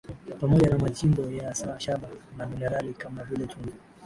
pamoja na machimbo ya shaba na minerali kama vile chumvi